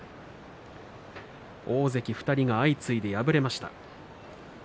大関２人が相次いで敗れました。